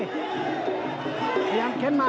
พยายามเค้นมา